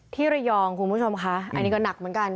ที่ระยองคุณผู้ชมค่ะอันนี้ก็หนักเหมือนกัน